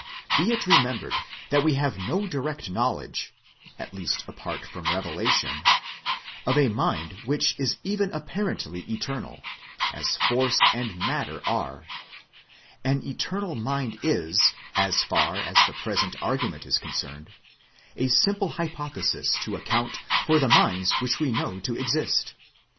Be it remembered that we have no direct knowledge (at least apart from Eevelation) of a Mind which is even apparently eternal, as Force and Matter are : an eternal mind is, as far as the present argu ment is concerned, a simple hypothesis to account for the minds which we know to exist.